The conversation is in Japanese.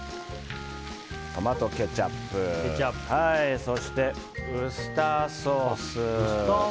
トマトケチャップそして、ウスターソース。